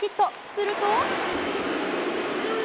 すると。